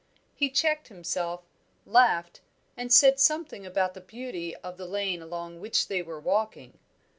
He checked himself, laughed, and said something about the beauty of the lane along which they were walking.